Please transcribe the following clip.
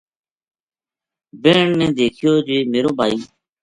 بہن نے دیکھیو جی میرو بھائی